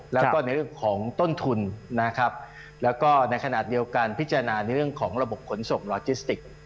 แล้วก็ในเรื่องของต้นทุนนะครับแล้วก็ในขณะเดียวกันพิจารณาในเรื่องของระบบขนส่งลอจิสติก